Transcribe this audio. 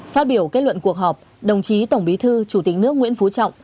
phát biểu kết luận cuộc họp đồng chí tổng bí thư chủ tịch nước nguyễn phú trọng